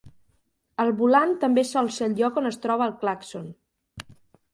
El volant també sol ser el lloc on es troba el clàxon.